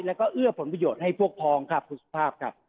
แล้วก็เอื้อผลประโยชน์ให้พวกพ้องครับคุณสุภาพครับ